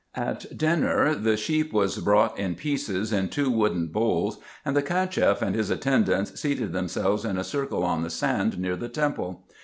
At dinner the sheep was brought in pieces in two wooden bowls and the Cacheff and his attendants seated themselves in a circle on the sand near the temple.